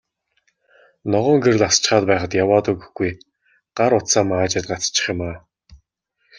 Ногоон гэрэл асчхаад байхад яваад өгөхгүй, гар утсаа маажаад гацчих юм аа.